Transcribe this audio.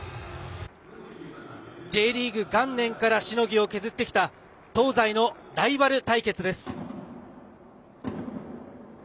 Ｊリーグ元年からしのぎを削ってきた東西のライバル対決です。